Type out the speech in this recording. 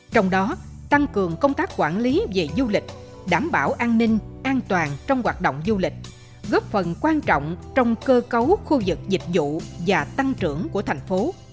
trong đó tăng cường công tác quản lý về du lịch đảm bảo an ninh an toàn trong hoạt động du lịch góp phần quan trọng trong cơ cấu khu vực dịch vụ và tăng trưởng của thành phố